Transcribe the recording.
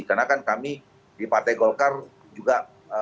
karena kan kami di pt golkar juga